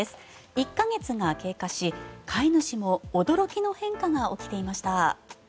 １か月が経過し、飼い主も驚きの変化が起きていました。